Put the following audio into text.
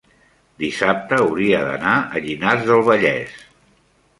dissabte hauria d'anar a Llinars del Vallès.